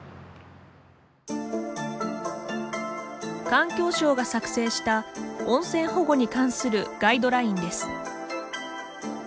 環境省が作成した温泉保護に関するガイドラインです。